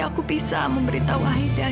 aku bisa memberitahu aida